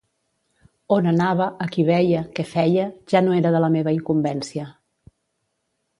On anava, a qui veia, què feia ja no era de la meva incumbència.